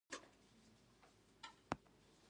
زه بايد يوه سپينه او روښانه خبره وکړم.